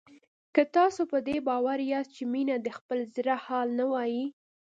که تاسو په دې باور یاست چې مينه د خپل زړه حال نه وايي